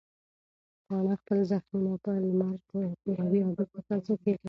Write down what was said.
پاڼه خپل زخمونه په لمر ټکوروي او بېرته تازه کېږي.